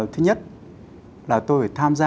thứ nhất là tôi phải tham gia